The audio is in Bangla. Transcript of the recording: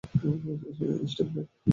স্টিফলারকে কিস করেছিস?